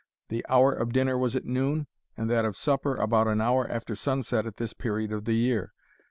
The hour of dinner was at noon, and that of supper about an hour after sunset at this period of the year.